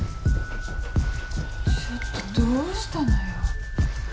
ちょっとどうしたのよ